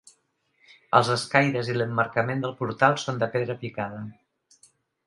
Els escaires i l'emmarcament del portal són de pedra picada.